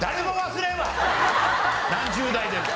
何十代でも。